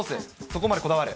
そこまでこだわる。